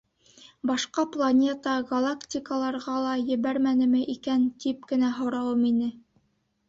Башҡа планета, галактикаларға ла ебәрмәнеме икән, тип кенә һорауым ине.